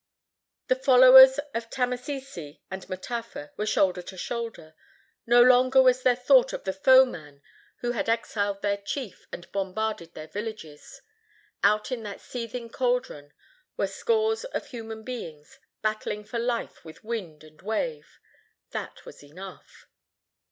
The followers of Tamasese and Mataafa were shoulder to shoulder. No longer was there thought of the foeman who had exiled their chief and bombarded their villages. Out in that seething caldron were scores of human beings, battling for life with wind and wave. That was enough.